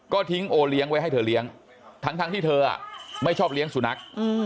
ก็ทิ้งโอเลี้ยงไว้ให้เธอเลี้ยงทั้งที่เธอไม่ชอบเลี้ยงสุนัข